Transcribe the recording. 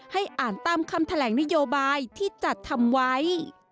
ให้อ่านตามคำแถลงนโยบายที่จัดทำไว้